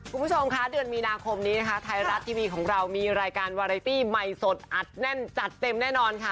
คุณผู้ชมคะเดือนมีนาคมนี้นะคะไทยรัฐทีวีของเรามีรายการวาไรตี้ใหม่สดอัดแน่นจัดเต็มแน่นอนค่ะ